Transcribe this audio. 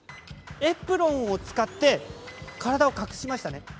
エプロンを使って体を隠しましたね。